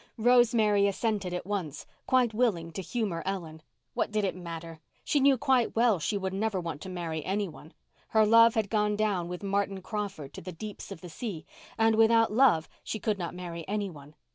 Rosemary assented at once, quite willing to humour Ellen. What did it matter? She knew quite well she would never want to marry any one. Her love had gone down with Martin Crawford to the deeps of the sea; and without love she could not marry any one.